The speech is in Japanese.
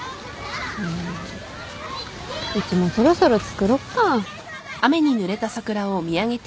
うちもそろそろつくろっか。